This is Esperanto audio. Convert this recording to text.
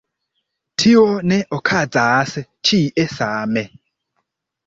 Tio ne okazas ĉie same.